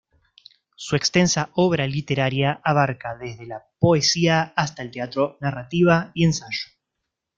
Su extensa obra literaria abarca desde la poesía hasta el teatro, narrativa y ensayo.